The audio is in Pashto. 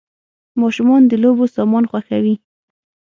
ماشومان د لوبو سامان خوښوي .